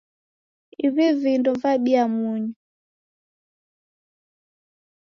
Ivi vindo vabiya munyu.